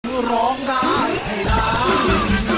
เพื่อร้องได้ให้ได้